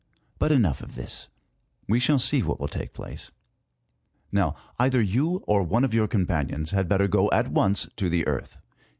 But enough of this : we shall see what will take place. Now, either you or COPERNICUS. 171 one of your companions had better go at once to the Earth.